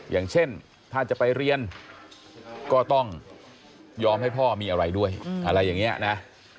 อย่างเช่นถ้าจะไปเรียนก็ต้องยอมให้พ่อมีอะไรด้วยอะไรอย่างนี้นะ